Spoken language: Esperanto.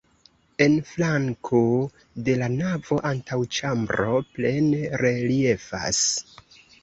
En flanko de la navo antaŭĉambro plene reliefas.